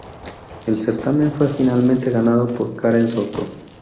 El certamen fue finalmente ganado por Karen Soto.